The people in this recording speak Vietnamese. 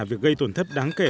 việc gây tổn thất đáng kể